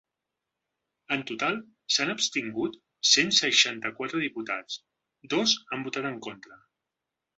En total s’han abstingut cent seixanta-quatre diputats, dos han votat en contra.